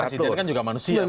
presiden kan juga manusia